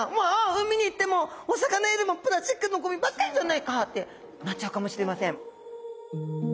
海に行ってもお魚よりもプラスチックのゴミばっかりじゃないかってなっちゃうかもしれません。